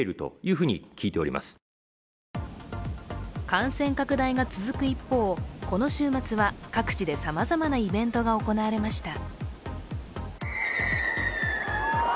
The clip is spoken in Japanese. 感染拡大が続く一方この週末は各地でさまざまなイベントが行われました。